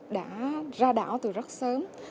đã ra đảo từ rất sớm